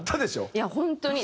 いや本当に。